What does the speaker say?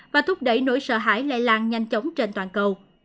và thúc đẩy nỗi sợ hãi lây lan nhanh chóng trên toàn cầu